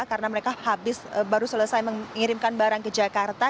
karena mereka habis baru selesai mengirimkan barang ke jakarta